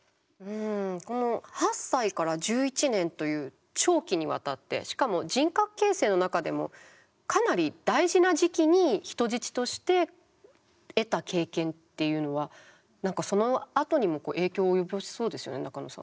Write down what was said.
この８歳から１１年という長期にわたってしかも人格形成の中でもかなり大事な時期に人質として得た経験っていうのは何かそのあとにも影響を及ぼしそうですよね中野さん。